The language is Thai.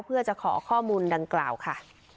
เพื่อจะขอข้อมูลดังกล่าวค่ะ